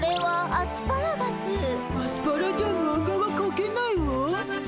アスパラじゃマンガはかけないわ。